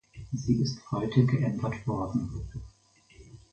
Sie ist heute geändert worden.